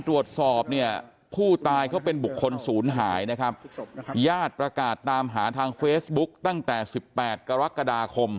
ตรวจสอบเนี่ยผู้ตายเขาเป็นบุคคลศูนย์หายนะครับญาติประกาศตามหาทางเฟซบุ๊กตั้งแต่สิบแปดกรกฎาคม